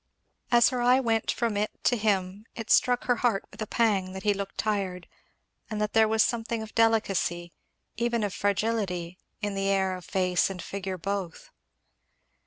As her eye went from it to him it struck her heart with a pang that he looked tired and that there was a something of delicacy, even of fragility, in the air of face and figure both.